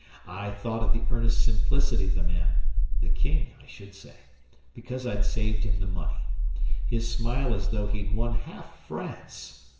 I thought of the earnest simplicity of the man the King, I should say because I'd saved him the money; his smile as though he'd won half France!